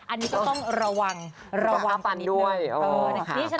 อันนี้ก็ต้องระวังระวังป่านี้ด้วย